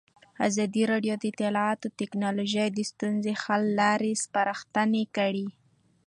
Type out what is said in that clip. ازادي راډیو د اطلاعاتی تکنالوژي د ستونزو حل لارې سپارښتنې کړي.